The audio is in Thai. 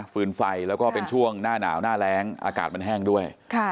ฟืนไฟแล้วก็เป็นช่วงหน้าหนาวหน้าแรงอากาศมันแห้งด้วย